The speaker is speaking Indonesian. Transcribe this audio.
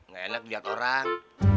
gak enak liat orang